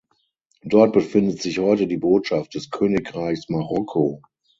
Dort befindet sich heute die Botschaft des Königreichs Marokko.